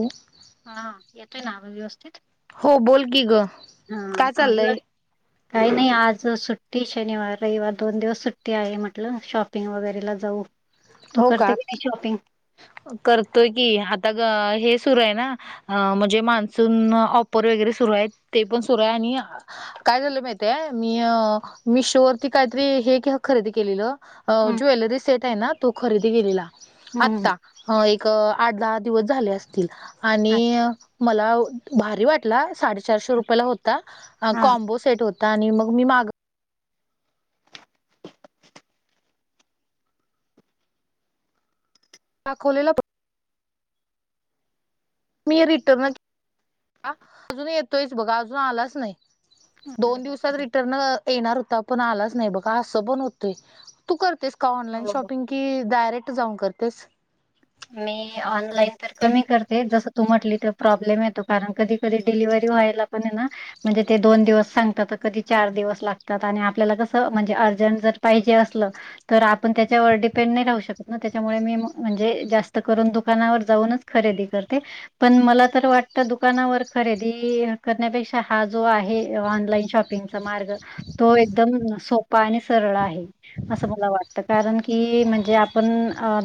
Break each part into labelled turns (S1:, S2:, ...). S1: हो.
S2: हा येतोय ना व्यवस्थित.
S1: हो बोल की ग
S2: हा
S1: काय चाललं आहे.
S2: [inaudible] काही नाही आज सुट्टी शनिवार रविवार दोन दिवस सुट्टी आहे म्हटलं शॉपिंग वगैरेला जाऊ तू
S1: हो
S2: करते
S1: का.
S2: की नाही शॉपिंग.
S1: करतोय की आता ग हे सुरू आहे ना. अ म्हणजे मान्सून ऑपर वगैरे सुरु आहेत ते पण सुरू आहे आणि. काय झालं माहिितय मी मी शो वरती काहीतरी हे कि खरेदी केलेलं.
S2: हम्म
S1: ज्वेलरी सेट आहे ना तो खरेदी केेलेला.
S2: हम्म
S1: एक आठ दहा दिवस झाले असतील आणि.
S2: अच्छा
S1: मला भारी वाटला साडेचारशे रुपयाला होता
S2: हा
S1: कॉम्बो सेट होता. मग मी माग. दाखवले. मी रिटर्न अजून येतोय बघा अजून आलाच नाही.
S2: अरे
S1: दोन दिवसात
S2: बापरे
S1: रिटर्न येणार होता पण आलाच नाही बघा असं पण होतंय. तू करतेस का ऑनलाईन
S2: हो
S1: शॉपिंग की डायरेक्ट जाऊन करतेस.
S2: मी ऑनलाईन तर कमी करते जसं तू म्हटली तर प्रॉब्लेम येतो कारण कधी कधी डिलव्हरी व्हायला मण ना. म्हणजे ते दोन दिवस सांगतात कधी चार दिवस लागतात आणि आपल्याला कसं म्हणजे अर्जंट जर पाहिजे असलं तर आपण त्याच्यावर डिपेंड नाही राहू शकत ना त्याच्यामुळे मी म्हणजे. जास्त करून दुकानावर जाऊनच खरेदी करते. पण मला तर वाटतं दुकानावर खरेदी करण्यापेक्षा हा जो आहे ऑनलाईन शॉपिंग चा मार्ग तो एकदम सोपा आणि सरळ आहे. असं मला वाटतं कारण की म्हणजे आपण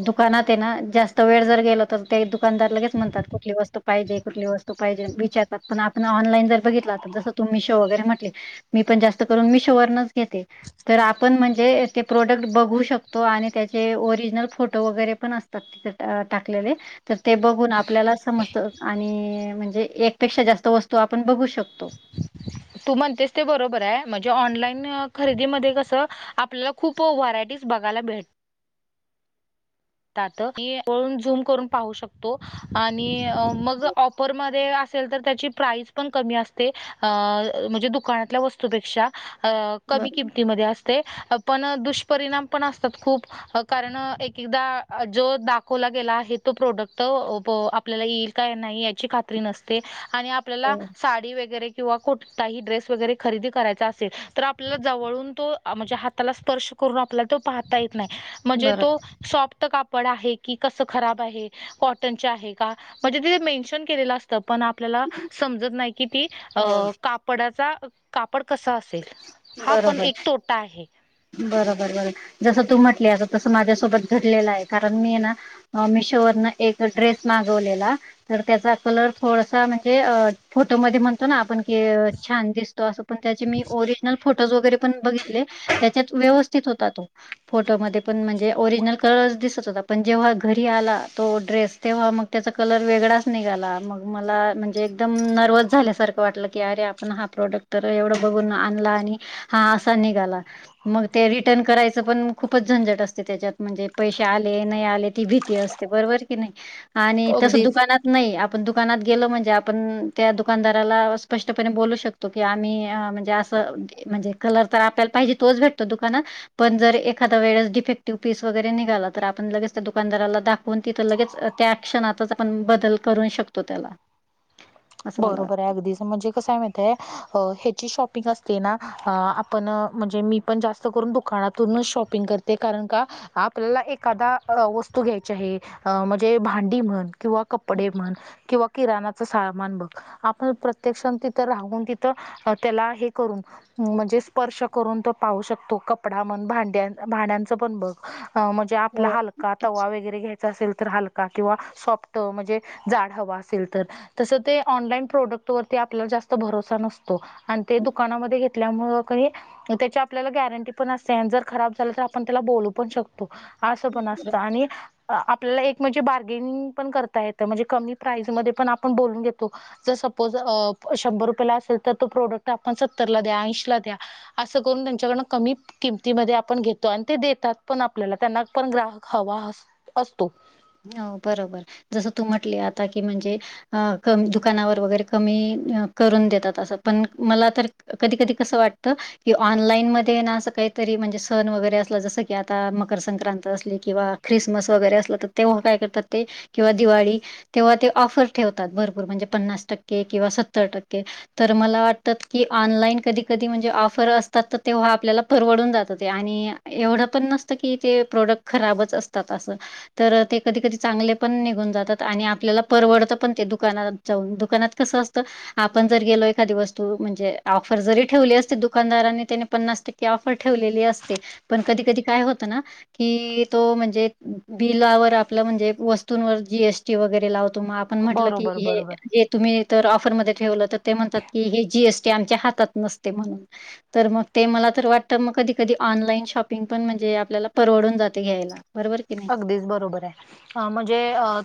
S2: दुकानात आहे ना. जास्त वेळ जर गेल तर ते दुकानदारलागेच म्हणतात कुठली वस्तू पाहिजे कुठली वस्तू पाहिजे विचारतात. पण आपण ऑनलाईन जर बघितला तर जसं तुम मिशो वगैरे म्हटले मी पण जास्त करून मिशोवररनच घेते तर आपण म्हणजे ते प्रोडक्ट बघू शकतो आणि त्याचे ओरिजिनल फोटो वगैरे पण असत. तिथे टाकलेले. तर ते बघून आपल्याला समजत आणि म्हणजे एकपेक्षा जास्त वस्तू आपण बघू शकतो.
S1: तू म्हणतेस ते बरोबर आहे म्हणजे ऑनलाईन खरेदीमध्ये कसं आपल्याला खूप व्हरायटीज बघायला भेट जातो की झूम करून पाहू शकतो आणि मग ऑफर मध्ये असेल तर त्याची प्राईस पण कमी असते अ अ म्हणजे दुकानातल्या वस्तूपेक्षा अ कमी
S2: बरं.
S1: किमतीमध्ये असत ते पण दुष्परिणाम पण असतात खूप कारण एक एकदा जो दाखवला गेला आहे तो प्रोडक्ट अ प आपल्याला येईल का नाही याची खात नसते आणि आपल्याला
S2: हो,
S1: साडी वगरे किंवा कोठताही ड्रेस वगैरे खरेदी करायचा असेल तर आपल्याला जवळून तो म्हणजे हाताला स्पर्श के करून आपल्याला तो पाहता येत नाही म्हणजे तो
S2: बरोबर.
S1: सॉप्ट कापड आहे की कसं खराब आहे खुप कॉटन चे आहे का म्हणजे तिथे मेन्शन केलेलं असतं पण आपण आपल्याला समजत नाही की ती अ
S2: हो,
S1: कापडाचा कापड कसा असत असेल हा पण
S2: बरोबर.
S1: एक तोटा आहे.
S2: बरोबर बरो जसं तू म्हटली आ तसं माझ्यासोबत घडलेलं आहे कारण मी ना मिशोवररन एक ड्रेस मागवलेला तर त्याचा कलर थोडासा म्हणजे फोटोमध्ये म्हणतो ना आपण की छान दिसतो अस पण त्याचे मी ओरिजनल फोटोज वगैरे पण बघितले त्या त व्यवस्थित होता तो त्यात फोटोमध्ये पण म्हणजे ओरिजिनल कलर्स दिसत होता पण जेव्हा घरी आला तो ड्रेस तेव्हा मग त्याचा कलर वेगळाच निघाला मग मला म्हणजे एकदम नर्वस झाल्यासारखं वाटलं की अरे आप पण हा प्रोडक्ट तर एवढं बघून आणला आणि हा असा निघाला मग ते रिटर्न करायचं पण खूपच झेंझट असते त्याच्यात म्हणजे पैसे आले नाही आले ती भीती असते बरोबर की नाही आणि तस
S1: अगदीच
S2: दुकानात नाही आपण दुकानात गेलो म्हणजे आपण त्या दुकानदाराला स्पष्टपणे बोलू शकतो तो कि आम्ही म्हणजे असं म्हणजे कलर तर आपल्याला पाहिजे तोच भेटतो दुकानात पण जर एखादा वेळेस डफेटिव्ह पीस वगैरे निघाला तर आपण लगेच दुनदाराला दाखव ण तिथं लगेच त्या ऍक्शनातच आपण बदल करू शकतो त्याला असं मला वाटतं.
S1: बरोबर आहे अगदीच म्हणजे कस हाय माहीत ह्याची शॉपिंग असते ना आपण म्हणजे मी पण जास्त करून दुकानातूनच शॉपिंग करते कारण का आपल्याला एखादा अ वस्तू घ्यायची आहे अ म्हणजे भांडी म्हण किंवा कपडे म्हण किंवा किराणाचं सामान बघ आपण प्रत्यक्षात तिथं राहून तिथं त्याला हे करून म्हणजे स्पर्श करून तो पाहू शकतो कपडा म्हण भांड्या भांड्यांचं पण बघ अ म्हणजे आपला
S2: हो.
S1: हलका
S2: नक्कीच.
S1: तवा वगैरे घ्यायचा असेल तर हलका किंवा साॅप्ट म्हणजे जाड हवा असेल तर तस ते ऑनलाईन प्रोडक्ट वरती आपल्याला जास्त भरोसा नसतो आणि ते दुकानामध्ये घेतल्यामुळ काही त्याची आपल्याला गॅरंटी पण असते जर खराब झालं तर आपण त्याला बोलू पण शकतो त आसं पण असत आणि आपल्याला एक म्हणजे बार्गेनिंग पण करता येतं म्हणजे कमी प्राईज मध्ये पण आपण बोलून घेत जर सपोज शंभर रुपयेला असेल तर तो प्रोडक्ट आपण सत्तरला द्या ऐंशी ला द्या असं करून त्यांच्याकडनं कमी किमतीमध्ये आपण घेतो आणि ते देतात पण आपल्याला त्यांना पण ग्राहक हवा अ असतो.
S2: हो बरोबर जसं तू म्हटले आता की म्हणजे अ क दुकानावर वगैरे कमी करून देतात असं पण मला तर कधी कधी कसं वाटतं कि ऑनलाईन मध्ये ना असं काहीतरी म्हणजे सण वगैरे असला जसं की आता मकर संंक्रांत असली किंवा ख्रिसमस वगैरे असला तर तेव्हा काय करतात ते किंवा दिवाळी तेव्हा ते ऑफर ठेवतात भरपूर म्हणजे पन्नास टक्के किंवा सत्तर टक्के तर मला वाटतत की ऑनलाईन कधी कधी म्हणजे ऑफर असतात तर तेव्हा आपल्याला परवडून जात ते आणि एवढं पण नसतं की ते प्रोडक्ट खराबच असतात असं तर ते कधी कधी चांगले पण निघून जातात आणि आपल्याला परवडतं पण ते दुकानात जाऊन दुकानात कसं असतं आपण जर गेलो एखादी वस्तू म्हणजे ऑफर जरी ठेवली असते दुकानदारांनी त्यानी पन्नास टक्के की ऑफर ठेवलेली असते पण कधी कधी काय होतं ना की तो म्हणजे बिलावर आपलं म्हणजे वस्तूंवर जीएसटी वगैरे लावतो मग आपण म्हटलं की
S1: बरोबर बरोबर
S2: हे तुम्ही तर ऑफरमध्ये ठेवलं तर ते म्हणतात की हे जीएसटी आमच्या हातात नसते म्हणून तर मग ते मला तर वाटत मग कधी कधी ऑनलाईन शॉपिंग पण म्हणजे आपल्याला परवडून जाते घ्यायला बरोबर की नाही?
S1: अगदीच बरोबर आहे म्हणजे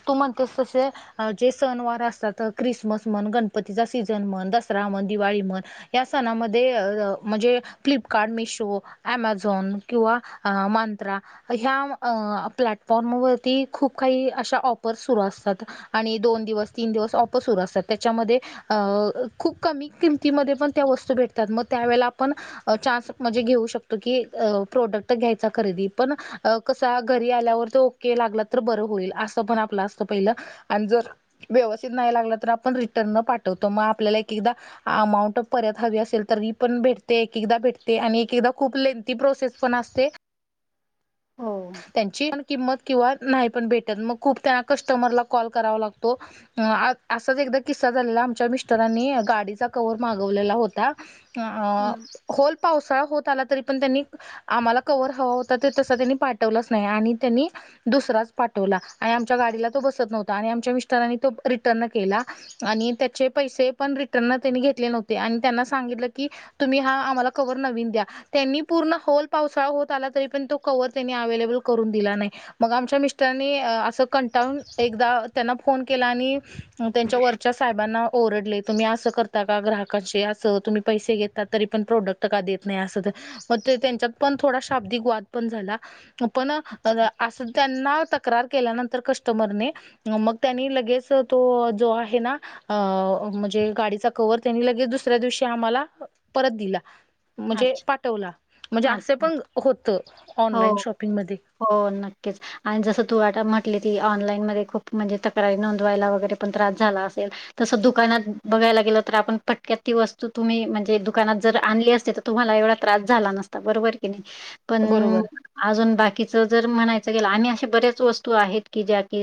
S1: तू म्हणतेस तसे जे सण वार असतात क्रिसमस म्हण गणपतीचा सीझन म्हण दसरा म्हण दिवाळी म्हण या सणामध्ये म्हणजे फ्लिपकार्ट मिशो अमेझॉन किंवा मत्रा ह्या प्लॅटफॉर्मवरती खूप काही अशा ऑफर्स सुरू असतात आणि दोन दिवस तीन दिवस अऑप सुरू असतात त्याच्यामध्ये अ खूप कमी किमतीमध्ये पण त्या वस्तू भेटतात मग त्यावेेळेला आपण चान्स म्हणजे घेऊ शकतो की प्रोडक्ट घ्यायचा खरेदी पण कसा घरी आल्यावर तर ओके लागला तर बरं होईल असं पण आपलं असत पहिलं आणि जर व्यवस्थित नाही लागलं तर आपण रिटर्न न पाठवतो मग आपल्याला एक एकदा अमाऊंट परत हवी असेल तरी पण भेटते एक एकदा भेटते आणि एक एकदा खूप लेंथी प्रोसेस पण असते
S2: हो.
S1: त्यांची पण किंमत किंवा नाही पण भेटत मग खूप त्यां कस्टमरला कॉल करावा लागतो असाच एकदा किस्सा झालेला आमच्या मिस्टरांनी गाडीचा कवर्ह मागवलेला होता अ
S2: हम्म.
S1: होल पावसाळा होत आला तरी पण त्यांनी आम्हाला कवर हवा होता तर तसा त्यांनी पा हटवलंच नाही आणि त्यांनी दुसराच पाठवला आणि आमच्या गाडीला तो बसत नव्हता आणि आमच्या मिस्टरांनी तो रिटर्न केला आणि त्याचे पैसे पण रिटर्न त्यांनी घेतले नव्हते आणि त्यांना सांगितलं की तुम्ही हा आम्हाला कवर नवीन द्या त्यांनी पूर्ण होल पावसाळा होत आला तरी पण तो कवर त्यांनी अवेलेबल करून दिला नाही मग आमच्या मिस्टरने असं कंटाळून एकदा त्यांना फोन केला आणि त्यांच्या वरच्या साहेबांना ओरडले तुम्ही असं करता का ग्राहकाांचे असं तुम्ही पैसे घेतता तरी पण प्रोडक्ट का देत नाही अस मग ते त्यांच्यात पण थोडा शाब्दिक वाद पण झाला पण अस त्यांना तक्र केल्यानंतर कस्टमरने मग त्यांनी लगेच तो जो आहे ना अ म्हणजे गाडीचा क्हवर त्यांनी लगेच दुसऱ्या दिवशी आम्हाला परत दिला
S2: अच्छा
S1: म्हणजे
S2: अच्छा
S1: पाठवला म्हणजे असे पण
S2: अच्छा.
S1: होत ऑनलाईन
S2: हो
S1: शॉपिंगमध्ये
S2: हो नक्कीच आणि जसं तू आता म्हटले ती ऑनलाईन मध्ये खूप म्हणजे तक्रारी नोंदवायला वगैरे पण त्रास झाला असेल तसं दुकानात बघायला गेलं तर आपण पटक्यात ती वस्तू तुम्ही म्हणजे दुकानात जर आणली असते तर तुम्हाला एवढा त्रास झाला नस बरोबर की नाही पण
S1: बरोबर
S2: अजून बाकीच जर म्हणायचं गेल आम्ही अश बर्याच वस्तू आहेत की ज्या की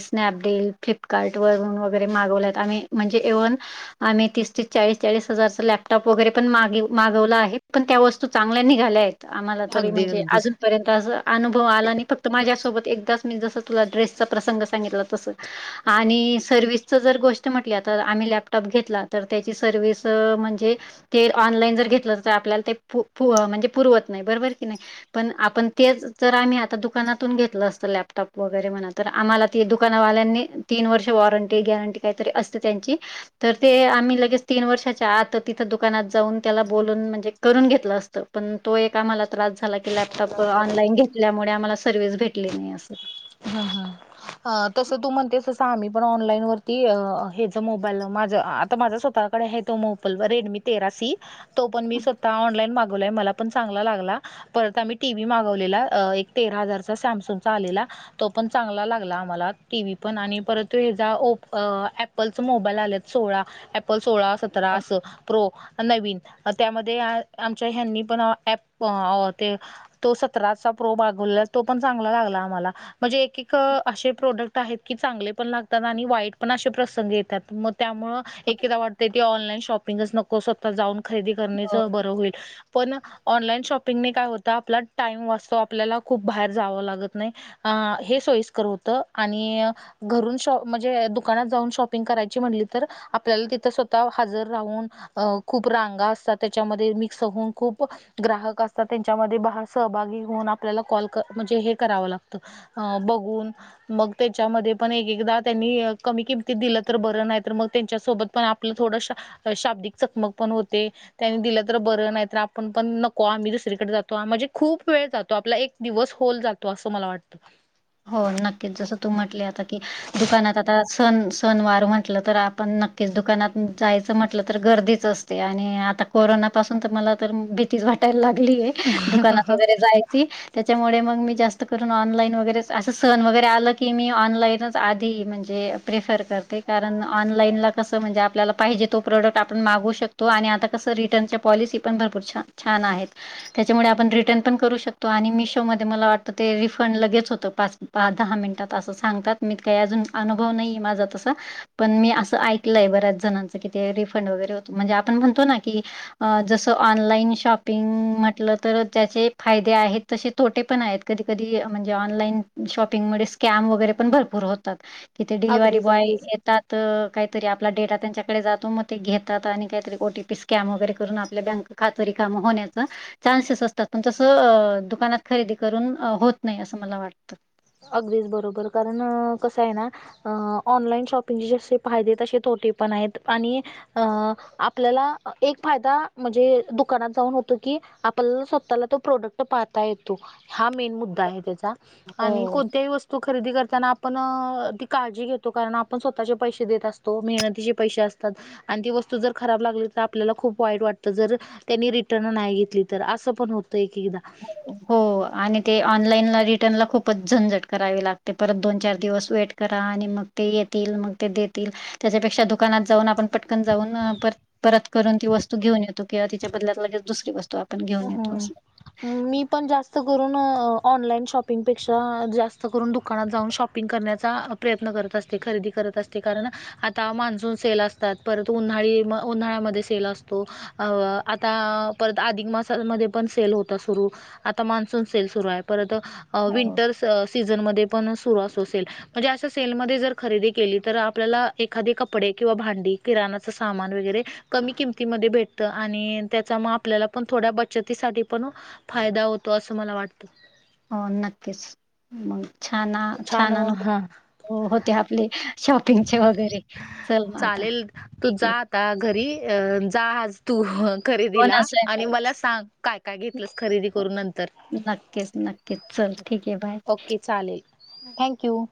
S2: स्नॅपडील फ्लिपकार्टवरून वगैरे मागवल्यात आम्ही म्हणजे एव्हन आम्ही तीस ती चाळीस चाळीस हजारचा लॅपटॉप वगैरे पण मा मागवला आहे पण त्या वस्त चांगल्यानी घाल्या आहेत आम्हालारी
S1: अगदी
S2: म्हणजे
S1: अगदीच
S2: अजूनपर्यंत असं अनुभव आला आणि फक्त माझ्यासोबत एकदाच मी जसं तुला ड्रेसचा प्रसंग सांगितला तसं आणि सर्ववि्हसचं जर गोष्ट म्हटल्या तर आम्ही लॅपटॉप घेतला तर त्याची सर्व्हस म्हणजे ते ऑनलाईन जर घेतलं तर आपल्याला ते म्हणजे पुरवत नाही बरोबर की नाही. पण आपण तेच जर आम्ही आता दुकानातून घेतलं असतं लॅपटॉप वगैरे म्हणा तर आम्हाला दुकानावाल्यांनी तीन वर्ष वॉरंटी गॅरंटी काहीतरी असते त्यांची तर ते आम्ही लगेच तीन वर्षाच्या आता तिथं दुकानात जाऊन त्याला बोलून म्हणजे करून घेतलं असतं. पण तो एक आम्हाला त्रास झाला की लॅपटॉप ऑनलाईन घेतल्यामुळे आम्हाला सर्व्हस भेटली नाही असं.
S1: हा हा तसं तू म्हणतेस तसं आम्ही पण ऑनलाईन वरती हच मोबाईल माझ आता माझ्या स्वतः हे तोमपल रेडमी तेरासी तो पण मी स्वतः ऑनलाईन मागवलाय मला पण चांगला लागला. परत आम्ही टीव्ही मागवलेला एक तेरा हजारचा सॅमसंग चा आलेला तो पण चांगला ला. आम्हाला टी व्ही पण आणि परंतु हे ज ओप अँपल च मोबाईल आलेत सोळा. एपल सोळा सतरा
S2: हो,
S1: अस प्रो. नवीन त्यामध्ये आमच्या ह्यांनी पण प ते तो सतराचा प्रो मागवला तो पण चांगला लागला आम्हाला म्हणजे एक एक. असे प्रोडक्ट आहेत की चांगले पण लागतात आणि वाईट पण असे प्रसंग येतात मग त्यामु
S2: हो,
S1: एकेदा वाटतं की ऑनलाईन शॉपिंगच नको स्वतः जाऊन खरेदी
S2: हो.
S1: करण्याचं बरं होईल. पण ऑनलाईन शॉपिंगने काय होतं आपला टाइम वाचतो आपल्याला खूप बाहेर जावं लागत नाही. अ हे सोयीस्कर होत आणि घरून शॉ म्हणजे दुकानात जाऊन शॉपिंग करायची म्हणली तर आपल्याला तिथं स्वतः हजर राहून अ खूप रांगा असतात त्याच्यामध्ये मिक्स होऊन खूप ग्राहक असतात त्यांच्यामध्ये सहभागी होऊन आपल्याला कॉल म्हणजे हे करावं लागतं. अ बघून मग त्याच्यामध्ये पण एक एकदा त्यांनी कमी किमतीत दिलं तर बरं नाही तर मग त्यांच्यासोबत पण आपलं थोड शाब्दिक चकमक पण होते. त्यांनी दिलं तर बरं नाही तर आपण पण नको आम्ही दुसरीकडे जातो म्हणजे खूप वेळ जातो आपला एक. दिवस होल जातो असं मला वाटतं
S2: हो नक्कीच जसं तू म्हटले आता की दुकानात आता स सनवार म्हटलं तर आपण नक्कीच दुकानात जायचं म्हंटलं तर गर्दीच असत. ते आणि आता कोरोना पाासून तर मला तर भीतीच वाटायला लागलीय. दुकाना वरेयची त्याच्यामुळे मग मी जास्त कर ऑनलाईन वगरे असं सण वगैरे आलं की मी ऑनलाईनच आधी म्हणजे प्रेफर करते कारण ऑनलाईनला सं म्हणजे आपल्याला पाहिजे तो प्रोडक्ट आपण मागू शकतो आणि आता कसं रिटर्नच्या पॉलिसी पण भरूर छान. छान आहेत. त्याच्यामुळे आपण रिटर्न पण करू शकतो आणि मिशोमध्येध्ये मला वाटतं ते रिफंड लगेच होतं. पाच पा दहा मिनिटात असं सांगतात मी काही अजून अनुभव नाहीे माझा तसा. पण मी असं ऐकलंय बऱ्याच जणांचं कि ते रिफंड वगैरे होत म्हणजे आपण म्हणतो ना की जस ऑनलाईन शॉपिंग म्हटलं तर त्याचे फायदे आहेत. तसे तोटे पण आहेत कधी कधी म्हणजे ऑनलाईन. शॉपिंग म स्कॅम वगैरे पण भरपूर होतात तिथे डिव्हरी
S1: अगदीच
S2: बॉय
S1: अगदीच
S2: येतात. तर काहीतरी आपला डेटा त्यांच्याकडे जातो मग ते घेतात आणि काहीतरी ओ टीपी स्कॅन वगैरे करून आपल्या बँक. कातरी कामं होण्याचं. चान्सेस असतात पण तसं दुकानात खरेदी करून होत नाही असं मला वाटतं.
S1: अगदीच बरोबर कारण कसं आहे ना. अ ऑनलाइन शॉपिंगचे जसे फायदे तसे थोटे पण आहेत आणि अ आपल्याला एक फायदा म्हणजे दुकानात जाऊन होत की आप स्वतःला तो प्रोडक्ट पाहता येतो हा मेन मुद्दा आहे त्याचा आणि
S2: हो.
S1: कोणत्याही वस्त. तो खरेदी करताना आपण ती काळजी घेतो कारण आपण स्वतःचे पैसे देत असतो मेहनतीचे पैसे असतात. आणि ती वस्तू जर खराब लागली तर आपल्याला खूप वाईट वाटतं जर त्यांनी रिटर्न नाही घेतली तर असं पण होतं एक एकदा
S2: हो आणि ते ऑनलाईनला रिटर्नला खूपच झंझट करावी लागते परत दोन चार दिवस वेट करा आणि मग ते येतील मग ते देतील त्याच्यापेक्षा दुकानात जाऊन आपण पटकन जाऊन पर परत करून ती वस्तू घेऊ येत किंवा तिच्या बदल्यात लगेच दुसरी वस्तू आपण
S1: हो
S2: घेऊन येतो
S1: हो
S2: असं.
S1: मी पण जास्त करून ऑनलाईन शॉपिंगपेक्षा जास्त करून दुकानात जाऊन शॉप शपिंग करण्याचा प्रयत्न करत असते खरेदी करत असते कारण आता मान्सून सेल असतात परत उन्हाळी उन्हाळ्यामध्ये सेल असतो अ आता परत अधिक मास मध्ये पण सेल होता सुरू आता मान्सून सेल सुरू आहे परत
S2: हो.
S1: विंटलस सीझनमध्ये पण सुरू असू असेल म्हणजे अशा सेलमध्येध्ये जर खरेदी केली तर आपल्याला एखादीे कपडे किंवा भांडी किराणाच सामान वगैरे कमी किमतीमध्ये भेटत आणि त्याचा मग आपल्याला पण थोड्या बचतीसाठी पण फायदा होतो असं मला वाटतं
S2: हो नक्कीच मग छान
S1: म
S2: अनु
S1: हा.
S2: होते आपले शॉपिंगच्या वगैरे चल मग आता ठीक
S1: ता घरी अ जाहाज तू
S2: हो ना
S1: खरेदीला आणि मला
S2: स्वयंपाक
S1: सांग काय काय घेतलंस खरेदी करून नंतर
S2: नक्कीच नक्की
S1: ओके चालेल थँक यू